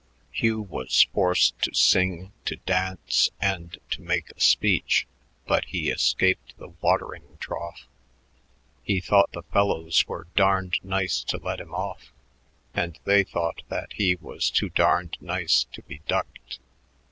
Hugh was forced to sing, to dance, and to make a speech, but he escaped the watering trough. He thought the fellows were darned nice to let him off, and they thought that he was too darned nice to be ducked.